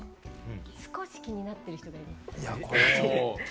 少し気になってる人がいます。